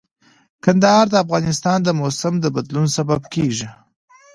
کندهار د افغانستان د موسم د بدلون سبب کېږي.